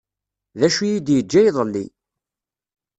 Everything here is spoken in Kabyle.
D acu i yi-d-yeǧǧa iḍelli.